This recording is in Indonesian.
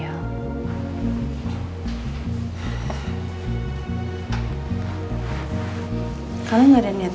kalian gak ada niat buat mengadopsi aja